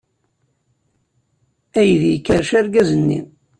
Aydi ikerrec argaz-nni.